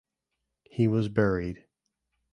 He was buried.